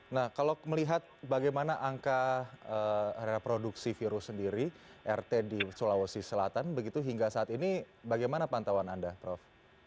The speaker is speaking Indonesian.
nah kalau melihat bagaimana angka reproduksi virus sendiri rt di sulawesi selatan begitu hingga saat ini bagaimana pantauan anda prof